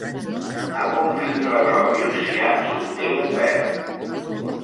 Amb un filtre groc i un cian s'obté un verd.